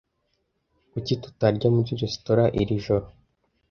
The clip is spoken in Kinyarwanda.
Kuki tutarya muri resitora iri joro